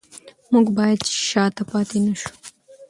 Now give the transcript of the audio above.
موږ باید شاته پاتې نشو.